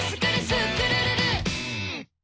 スクるるる！」